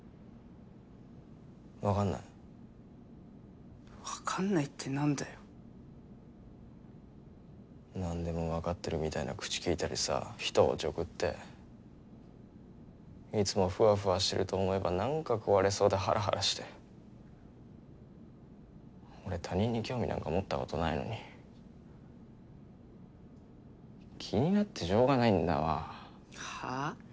分かんない分かんないって何だよ何でも分かってるみたいな口利いたりさ人おちょくっていつもフワフワしてると思えばなんか壊れそうでハラハラして俺他人に興味なんか持ったことないのに気になってしょうがないんだわはぁ？